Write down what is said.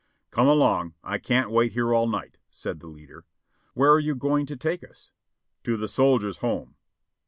"Come along; I can't wait here all night," said the leader. "Where are you going to take us?" "To the Soldiers' Home."